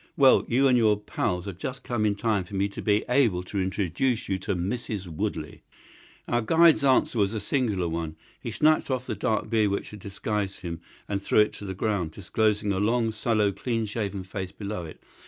Well, you and your pals have just come in time for me to be able to introduce you to Mrs. Woodley." Our guide's answer was a singular one. He snatched off the dark beard which had disguised him and threw it on the ground, disclosing a long, sallow, clean shaven face below it.